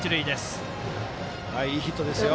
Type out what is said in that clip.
いいヒットですよ。